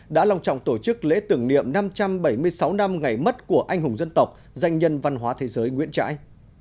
đã lòng trọng tổ chức lễ tưởng niệm năm trăm bảy mươi sáu năm ngày mất của anh hùng dân tộc danh nhân văn hóa thế giới nguyễn trãi